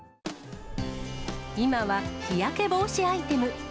今は日焼け防止アイテム。